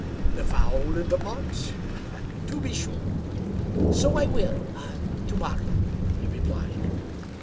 " The fowl in the pot? To be sure. So I will — ^to mor row," he replied.